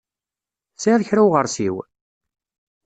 Tesɛiḍ kra n uɣeṛsiw?